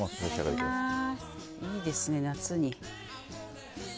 いいですね、夏に。